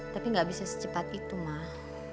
tapi gak bisa secepat itu mah